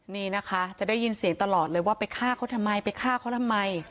นี่นะคะจะได้ยินเสียงตลอดเลยว่าไปฆ่าเขาทำไมไปฆ่าเขาทำไม